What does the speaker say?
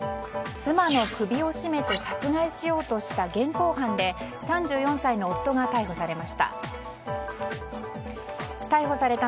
妻の首を絞めて殺害しようとした現行犯で３４歳の夫が逮捕されました。